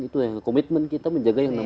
itu yang komitmen kita menjaga yang lain